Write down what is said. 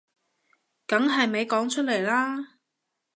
梗係咪講出嚟啦